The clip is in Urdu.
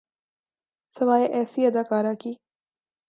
سوائے ایسی اداکاری کے۔